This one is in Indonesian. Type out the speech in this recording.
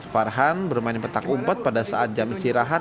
farhan bermain petak umpet pada saat jam istirahat